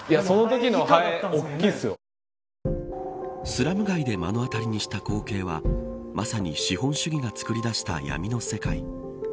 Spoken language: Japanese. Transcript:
スラム街で目の当たりにした光景はまさに資本主義が作り出した闇の世界。